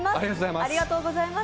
ありがとうございます。